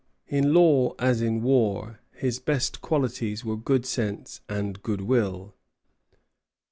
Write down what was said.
In law as in war, his best qualities were good sense and good will.